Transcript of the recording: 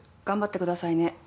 頑張ってくださいね。